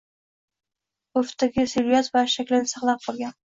Urfdagi siluyet va shaklni saqlab qolgan.